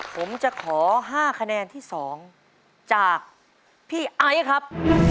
ผมจะขอ๕คะแนนที่๒จากพี่ไอซ์ครับ